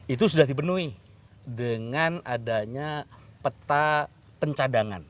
itu sudah dipenuhi dengan adanya peta pencadangan